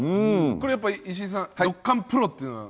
これやっぱ石井さんどっかんプロっていうのは。